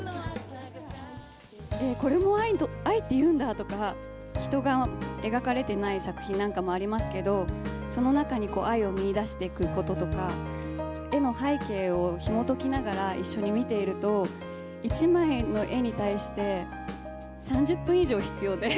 これも愛っていうんだとか、人が描かれてない作品なんかもありますけど、その中に愛を見いだしていくこととか、絵の背景をひもときながら一緒に見ていると、１枚の絵に対して３０分以上必要で。